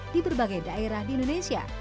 di berbagai daerah di indonesia